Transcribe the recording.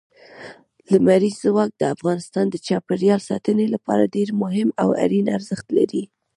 لمریز ځواک د افغانستان د چاپیریال ساتنې لپاره ډېر مهم او اړین ارزښت لري.